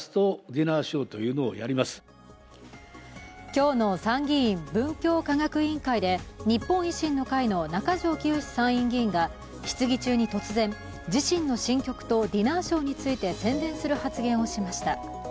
今日の参議院文教科学委員会で日本維新の会の中条きよし参院議員が質疑中に突然自身の新曲とディナーショーについて宣伝する発言をしました。